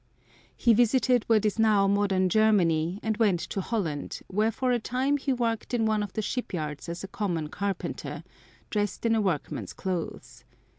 He visited what is now modern Germany and went to Holland, where for a time he worked in one of the shipyards as a common carpenter, dressed in a workman's clothes.